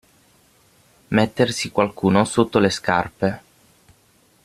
Mettersi qualcuno sotto le scarpe.